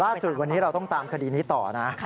ล่าสุดวันนี้เราต้องตามคดีนี้ต่อนะ